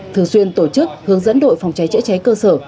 thường xuyên tổ chức hướng dẫn đội phòng cháy chữa cháy cơ sở